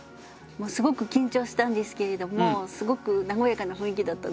もうすごく緊張したんですけれどもすごく和やかな雰囲気だったので楽しかったです。